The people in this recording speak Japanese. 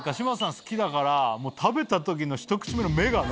好きだから食べた時のひと口目の目がね。